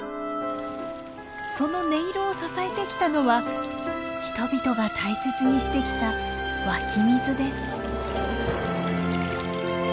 その音色を支えてきたのは人々が大切にしてきた湧き水です。